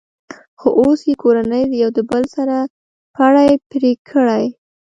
خو اوس یې کورنیو یو د بل سره پړی پرې کړی.